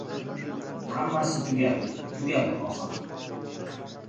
Hammasi tugadi, tugadi oxir!